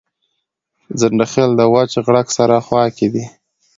ځنډيخيل دوچ غړک سره خواکی دي